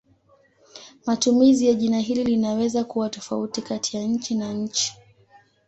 Matumizi ya jina hili linaweza kuwa tofauti kati ya nchi na nchi.